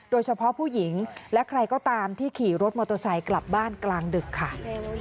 โดยเฉพาะผู้หญิงและใครก็ตามที่ขี่รถมอเตอร์ไซค์กลับบ้านกลางดึกค่ะ